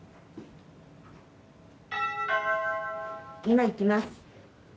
今行きます。